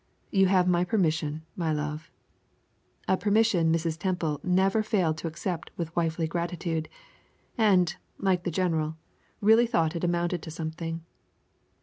You have my permission, my love" a permission Mrs. Temple never failed to accept with wifely gratitude, and, like the general, really thought it amounted to something.